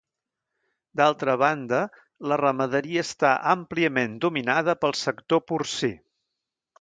D'altra banda, la ramaderia està àmpliament dominada pel sector porcí.